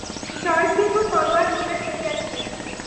জয়সিংহ তলোয়ার দূরে ফেলিয়া দিলেন।